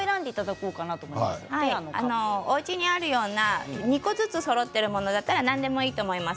おうちにあるような２個ずつそろっているものだったら何でもいいと思います。